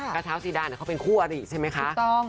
กระเท้าซีดาเขาเป็นคู่อริใช่ไหมคะถูกต้อง